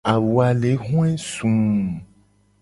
Awu a le hoe suu.